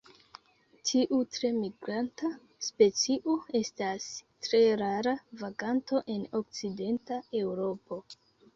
Tiu tre migranta specio estas tre rara vaganto en okcidenta Eŭropo.